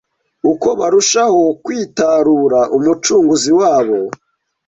Uko barushaho kwitarura Umucunguzi wabo